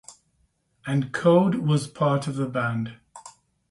And Code was part of the band.